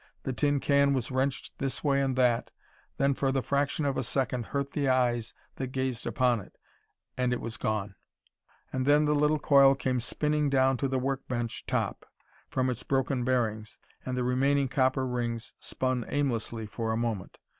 The tin can was wrenched this way and that, then for the fraction of a second hurt the eyes that gazed upon it and it was gone! And then the little coil came spinning down to the work bench top from its broken bearings and the remaining copper rings spun aimlessly for a moment.